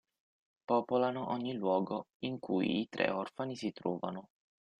Popolano ogni luogo in cui i tre orfani si trovano.